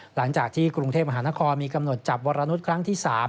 หลังจากที่กรุงเทพมหานครมีกำหนดจับวรนุษย์ครั้งที่๓